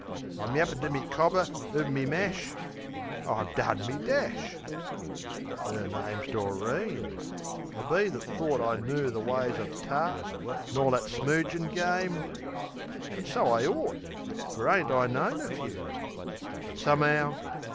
I'm yappin' to me cobber uv me mash.... I've done me dash! 'Er name's Doreen....An' me that thort I knoo The ways uv tarts, an' all that smoogin' game! An' so I ort; fer ain't I known a few? Yet some'ow...